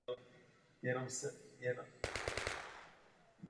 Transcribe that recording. Další přestavby a rozšíření se areál hradu dočkal za krále Matyáše Korvína.